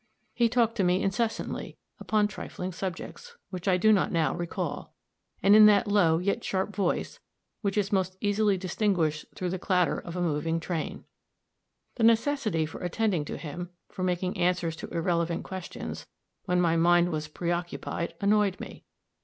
He talked to me incessantly upon trifling subjects which I do not now recall, and in that low, yet sharp voice which is most easily distinguished through the clatter of a moving train. The necessity for attending to him for making answers to irrelevant questions, when my mind was preoccupied, annoyed me.